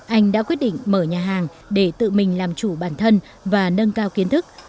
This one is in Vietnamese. anh đã quyết định mở nhà hàng để tự mình làm chủ bản thân và nâng cao kiến thức